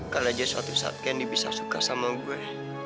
kalau aja suatu saat candy bisa suka sama gue